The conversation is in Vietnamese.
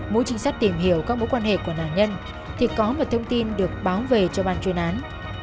mỗi trinh sát tìm hiểu các mối quan hệ của nạn nhân thì có một thông tin được báo về cho ban chuyên án